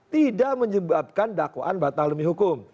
tidak menyebabkan dakwaan batal demi hukum